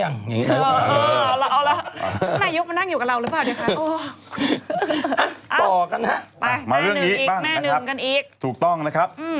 มาเรื่องนี้บ้างนะครับถูกต้องนะครับมาเรื่องนี้บ้างนะครับถูกต้องนะครับ